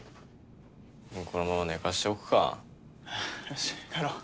もうこのまま寝かしておくかよし帰ろう